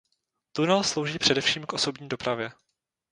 Tunel slouží především k osobní dopravě.